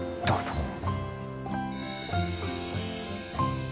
どうぞ